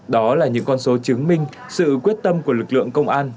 đó là những con số chứng minh sự quyết tâm của lực lượng công an